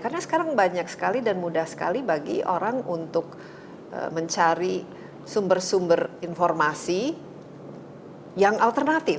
karena sekarang banyak sekali dan mudah sekali bagi orang untuk mencari sumber sumber informasi yang alternatif